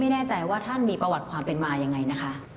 แน่ใจว่าท่านมีประวัติความเป็นมายังไงนะคะ